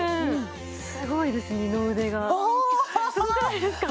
すごいです二の腕がああっすごくないですか？